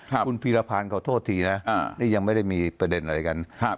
คุณพีรพันธ์ขอโทษทีนะนี่ยังไม่ได้มีประเด็นอะไรกันครับ